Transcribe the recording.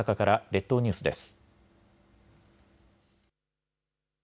列島ニュースです。